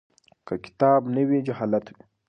که کتاب نه وي جهالت وي.